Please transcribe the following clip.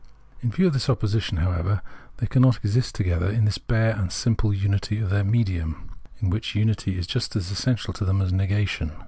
In view of this opposition, however, they cannot exist together in the bare and simple imity of their " medium," which unity is just as essential to them as negation.